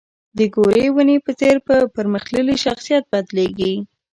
د ګورې ونې په څېر په پرمختللي شخصیت بدلېږي.